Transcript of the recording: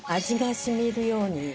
味が染みるように。